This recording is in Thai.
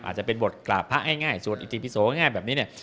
อาจจะเป็นบทกราบพระให้ง่ายสวดอิทธิพิโสง่ายแบบนี้เนี่ย